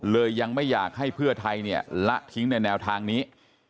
ยังไม่อยากให้เพื่อไทยเนี่ยละทิ้งในแนวทางนี้